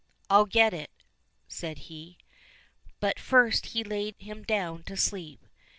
"—" I'll get it," said he. But first he laid him down to sleep.